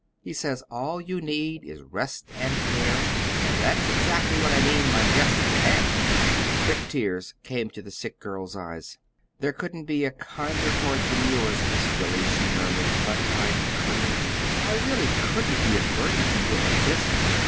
He says all you need is rest and care and that's exactly what I mean my guest shall have." Quick tears came to the sick girl's eyes. "There couldn't be a kinder heart than yours, Miss Billy," she murmured, "but I couldn't I really couldn't be a burden to you like this.